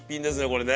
これね。